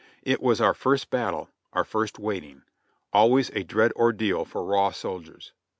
It was our first battle, our first waiting; always a dread ordeal for raw soldiers.